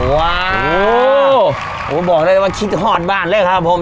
ว้าวโอ้โหบอกได้เลยว่าคิดฮอดบ้านเลยครับผม